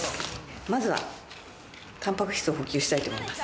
まずはタンパク質を補給したいと思います。